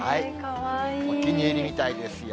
お気に入りみたいですよ。